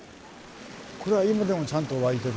これは今でもちゃんと湧いてる。